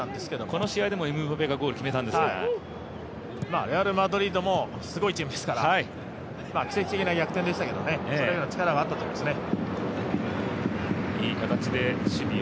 この試合でもエムバペがゴール決めたんですが、レアル・マドリードもすごいチームですから奇跡的な逆転でしたけどそれだけの力があったということですね。